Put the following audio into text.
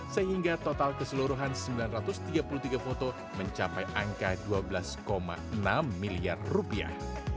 sehingga total keseluruhan sembilan ratus tiga puluh tiga foto mencapai angka dua belas enam miliar rupiah